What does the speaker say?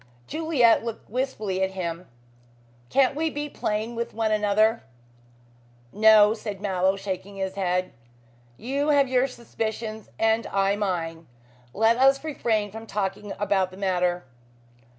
Juliet looked wistfully at him. "Can't we be plain with one another?" "No," said Mallow, shaking his head, "you have your suspicions and I mine. Let us refrain from talking about the matter."